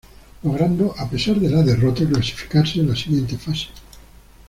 Logrando a pesar de la derrota, clasificarse a la siguiente fase.